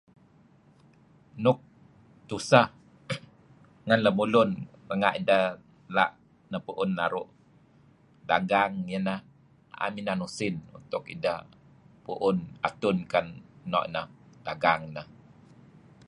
Nuk tuseh ngen lemulun nuk dah la' nepuun naru' dagang iahineh am inan usin nuk ideh maun atun kedeh noh iyeh dagang neh.